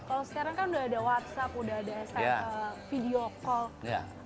kalau sekarang kan udah ada whatsapp udah ada video call